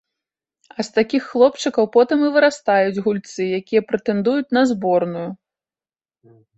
А з такіх хлопчыкаў потым і вырастаюць гульцы, якія прэтэндуюць на зборную.